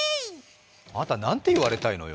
あーた、何て言われたいのよ。